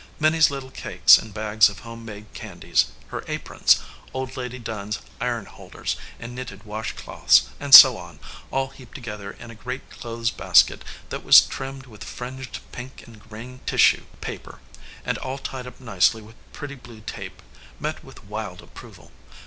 Min nie s little cakes and bags of home made candies, her aprons, old lady Dunn s iron holders and knitted washcloths, and so on, all heaped together in a great clothes basket that was trimmed with fringed pink and green tissue paper, and all tied up nicely with pretty blue tape, met with wild ap proval.